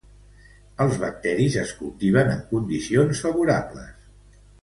Els bacteris es cultiven en condicions favorables.